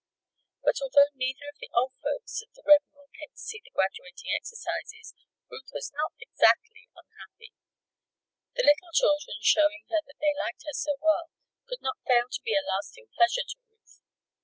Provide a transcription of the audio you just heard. But although neither of the old folks at the Red Mill came to see the graduating exercises, Ruth was not exactly unhappy. The little children showing her that they liked her so well, could not fail to be a lasting pleasure to Ruth.